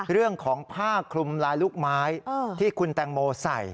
เรื่องของผ้าคลุมลายลูกไม้ที่คุณแตงโมใส่